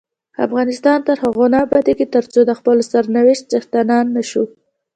افغانستان تر هغو نه ابادیږي، ترڅو د خپل سرنوشت څښتنان نشو.